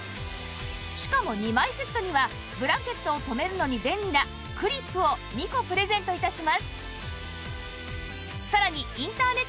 しかも２枚セットにはブランケットを留めるのに便利なクリップを２個プレゼント致します